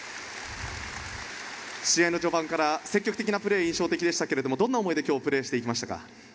試合の序盤から積極的なプレーが印象的でしたがどんな思いで今日プレーしていきましたか？